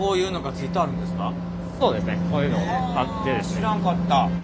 あ知らんかった。